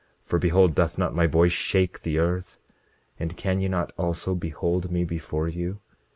For behold, doth not my voice shake the earth? And can ye not also behold me before you?